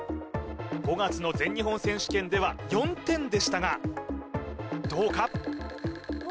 ５月の全日本選手権では４点でしたがどうか？